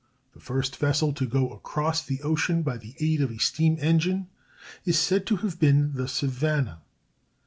The first vessel to go across the ocean by the aid of a steam engine is said to have been the Savannah.